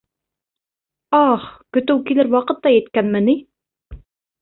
Аһ, көтөү килер ваҡыт та еткәнме ни?!